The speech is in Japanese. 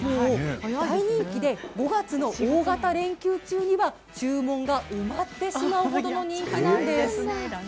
大人気で５月の大型連休中には注文が埋まってしまうほどのそうなんだ。